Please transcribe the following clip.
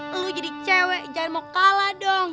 lo jadi cewek jangan mau kalah dong